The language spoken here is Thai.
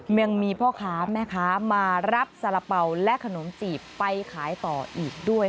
ยังมีพ่อค้าแม่ค้ามารับสาระเป๋าและขนมจีบไปขายต่ออีกด้วย